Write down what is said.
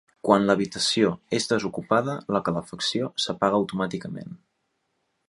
Quan l'habitació és desocupada, la calefacció s'apaga automàticament.